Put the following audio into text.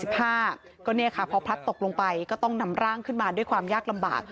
ก็พอพลัดตกลงไปก็ต้องนำร่างขึ้นมาด้วยความยากลำบาก